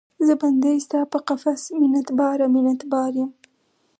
زه بندۍ ستا په قفس کې، منت باره، منت بار یم